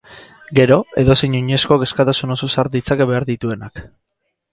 Gero, edozein oinezkok askatasun osoz har ditzake behar dituenak.